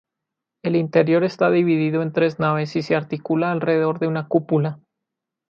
El interior está dividido en tres naves y se articula alrededor de una cúpula.